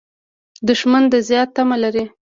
دښمن د زیان تمه لري